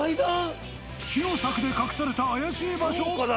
木の柵で隠された怪しい場所。